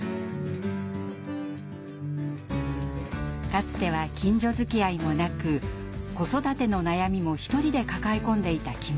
かつては近所づきあいもなく子育ての悩みも１人で抱え込んでいた木村さん。